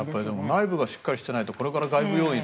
内部がしっかりしていないとこれから外部要因